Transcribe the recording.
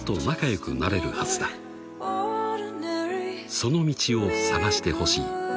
［その道を探してほしい。